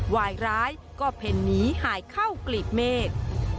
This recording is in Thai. วายร้ายก็เพ่นหนีหายเข้ากลีบเมฆ